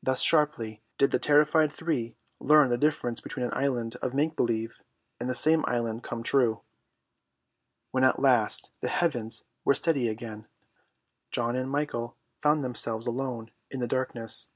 Thus sharply did the terrified three learn the difference between an island of make believe and the same island come true. When at last the heavens were steady again, John and Michael found themselves alone in the darkness.